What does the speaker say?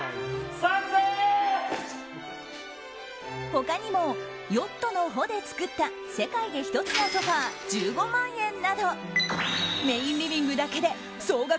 他にも、ヨットの帆で作った世界で１つのソファ１５万円などメインリビングだけで総額